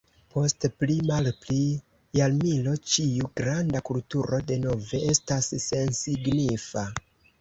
Post pli-malpli jarmilo ĉiu granda kulturo denove estas sensignifa.